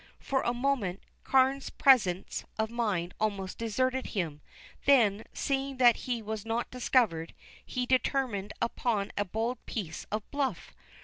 For a moment Carne's presence of mind almost deserted him; then, seeing that he was not discovered, he determined upon a bold piece of bluff.